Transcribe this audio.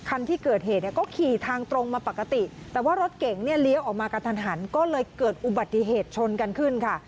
รถเก๋งรถเก่งเลี้ยวออกมากันทันทันก็เลยเกิดอุบัติเหตุชนกันขึ้นค่ะ